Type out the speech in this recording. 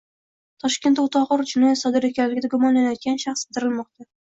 Toshkentda o‘ta og‘ir jinoyat sodir etganlikda gumonlanayotgan shaxs qidirilmoqda